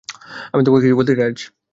আমি তোমাকে কিছু বলতে চাই, রাজ।